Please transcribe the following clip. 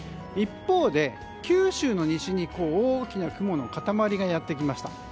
一方で、九州の西に大きな雲の塊がやってきました。